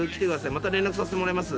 また連絡させてもらいます。